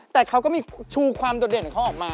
แต่เขาก็มีชูความโดดเด่นของเขาออกมา